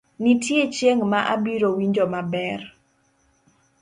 nitie chieng' ma abiro winjo maber